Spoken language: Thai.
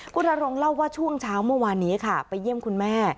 คุณนรงค์เล่าว่าช่วงเช้าเมื่อวานนี้ค่ะไปเยี่ยมคุณแม่